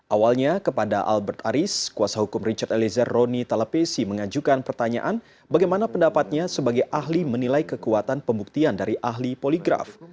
awalnya kepada albert aris kuasa hukum richard eliezer roni talapesi mengajukan pertanyaan bagaimana pendapatnya sebagai ahli menilai kekuatan pembuktian dari ahli poligraf